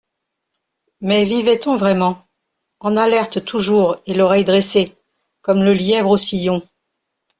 Mais vivait-on vraiment ? En alerte toujours et l'oreille dressée, comme le lièvre au sillon.